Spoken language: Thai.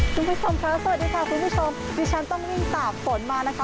สวัสดีค่ะคุณผู้ชมค่ะสวัสดีค่ะคุณผู้ชมที่ฉันต้องยิ่งตากฝนมานะคะ